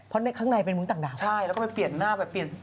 เพราะในข้างในเป็นมุ้งต่างใช่แล้วก็ไปเปลี่ยนหน้าไปเปลี่ยน